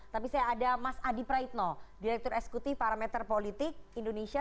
tapi saya ada mas adi praitno direktur eksekutif parameter politik indonesia